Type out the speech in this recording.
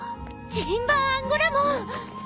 ジンバーアンゴラモン！